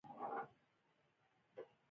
د تګ راتګ لپاره ډول ډول وسیلې جوړې شوې دي.